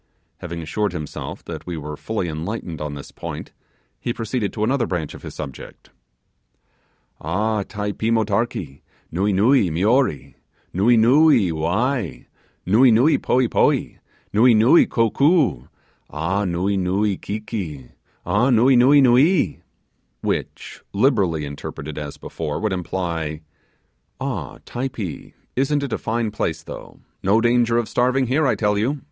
Having assured himself that we were fully enlightened on this point, he proceeded to another branch of his subject. 'Ah! Typee mortakee! nuee, nuee mioree nuee, nuee wai nuee, nuee poee poee nuee, nuee kokoo ah! nuee, nuee kiki ah! nuee, nuee, nuee!' Which literally interpreted as before, would imply, 'Ah, Typee! isn't it a fine place though! no danger of starving here, I tell you!